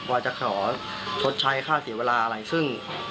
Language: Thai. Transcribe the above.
ว่าจะขอชดใช้ค่าเสียเวลาอะไรซึ่ง